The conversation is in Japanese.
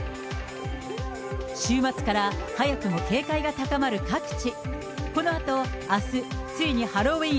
週末から早くも警戒が高まる各地。